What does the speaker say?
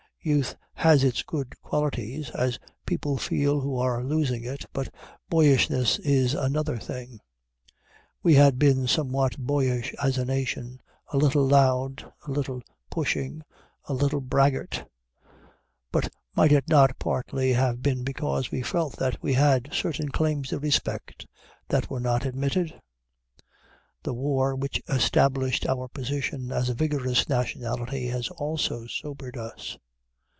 Youth has its good qualities, as people feel who are losing it, but boyishness is another thing. We had been somewhat boyish as a nation, a little loud, a little pushing, a little braggart. But might it not partly have been because we felt that we had certain claims to respect that were not admitted? The war which established our position as a vigorous nationality has also sobered us.